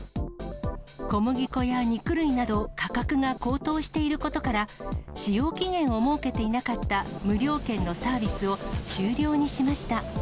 小麦粉や肉類など、価格が高騰していることから、使用期限を設けていなかった無料券のサービスを終了にしました。